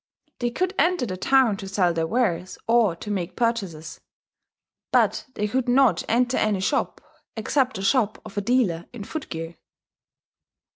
They could enter the town to sell their wares, or to make purchases; but they could not enter any shop, except the shop of a dealer in footgear.